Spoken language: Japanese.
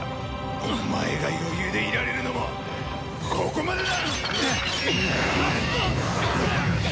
お前が余裕でいられるのもここまでだ！